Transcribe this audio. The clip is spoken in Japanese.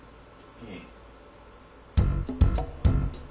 うん。